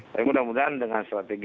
tapi mudah mudahan dengan strategi